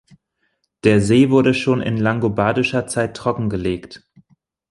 Der See wurde schon in langobardischer Zeit trockengelegt.